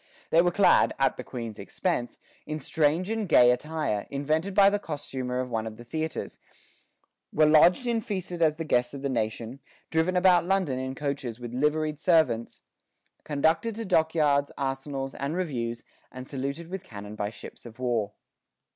They were clad, at the Queen's expense, in strange and gay attire, invented by the costumer of one of the theatres; were lodged and feasted as the guests of the nation, driven about London in coaches with liveried servants, conducted to dockyards, arsenals, and reviews, and saluted with cannon by ships of war.